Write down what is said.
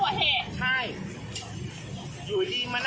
อากาศก็รู้สึก